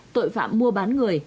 tội phạm mua bán người